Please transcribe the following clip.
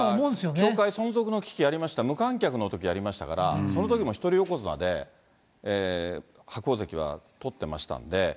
協会存続の危機ありました、無観客のときありましたから、そのときも１人横綱で、白鵬関は取ってましたんで。